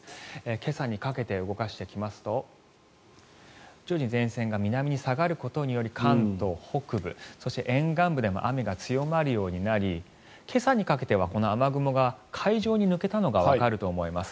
今朝にかけて動かしていきますと徐々に前線が南に下がることにより関東北部、そして沿岸部でも雨が強まるようになり今朝にかけてはこの雨雲が海上に抜けたのがわかると思います。